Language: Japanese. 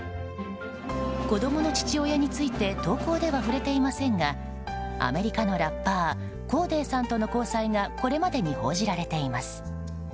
子供の父親について投稿では触れていませんがアメリカのラッパーコーデーさんとの交際がこれまでに報じられています。